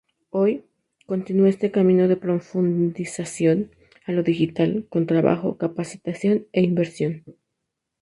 Hoy, continúa este camino de profundización a lo digital, con trabajo, capacitación e inversión.